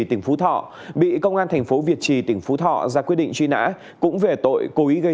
tỉnh phú thọ bị công an thành phố việt trì tỉnh phú thọ ra quyết định truy nã cũng về tội cố ý gây